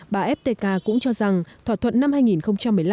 bà epteka cũng cho rằng thỏa thuận năm hai nghìn một mươi năm